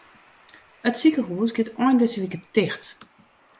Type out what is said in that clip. It sikehús giet ein dizze wike ticht.